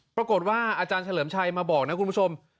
อาจารย์เฉลิมชัยมาบอกนะคุณผู้ชม